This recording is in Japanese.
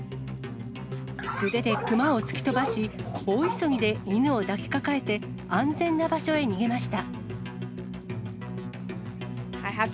素手で熊を突き飛ばし、大急ぎで犬を抱きかかえて、安全な場所へ逃げました。